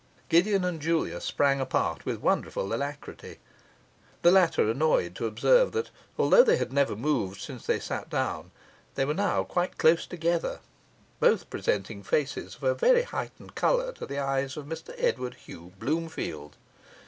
Gideon and Julia sprang apart with wonderful alacrity; the latter annoyed to observe that although they had never moved since they sat down, they were now quite close together; both presenting faces of a very heightened colour to the eyes of Mr Edward Hugh Bloomfield.